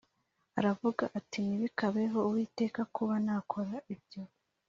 Aravuga ati “Ntibikabeho Uwiteka kuba nakora ibyo”